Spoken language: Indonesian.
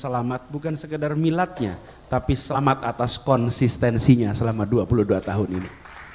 selamat bukan sekedar miladnya tapi selamat atas konsistensinya selama dua puluh dua tahun ini